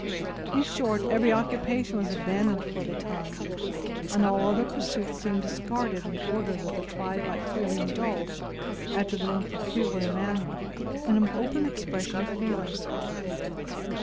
In short, every occupation was abandoned for the time, and all other pursuits seemed discarded in order that the tribe might freely indulge, after their own peculiar manner, in an open expression of feeling.